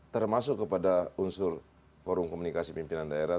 termasuk kepada unsur forum komunikasi pimpinan daerah